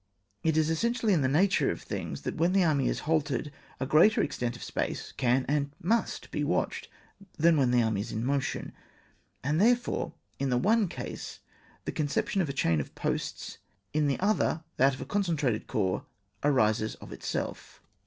It is essentially in the nature of things, that, when the army is halted, a greater extent of space can and must be watched than when the army is in motion, and therefore in the one case the conception of a chain of posts, in the other that of a concentrated corps arises of itself.